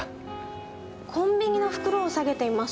コンビニの袋を下げていました。